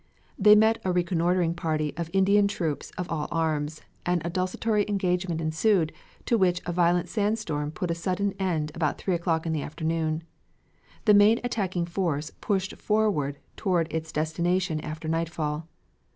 They met a reconnoitering party of Indian troops of all arms, and a desultory engagement ensued to which a violent sandstorm put a sudden end about three o'clock in the afternoon. The main attacking force pushed forward toward its destination after nightfall.